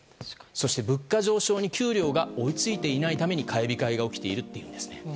そして物価上昇に給料に追い付いていないために買い控えが起きているというんです。